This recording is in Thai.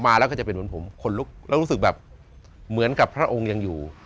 มาแล้วก็จะเป็นเหมือนผมคนลุกแล้วรู้สึกแบบเหมือนกับพระองค์ยังอยู่